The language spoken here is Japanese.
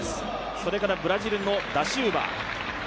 それからブラジルのダ・シウバ。